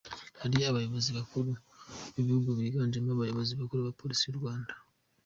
Hari abayobozi bakuru b'igihugu biganjemo abayobozi bakuru ba Polisi y'u Rwanda.